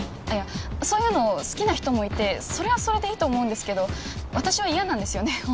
そういうの好きな人もいてそれはそれでいいと思うんですけど私は嫌なんですよね